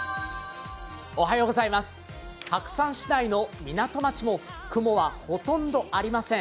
白山市内の港町も雲はほとんどありません。